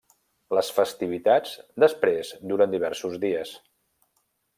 Les festivitats després duren diversos dies.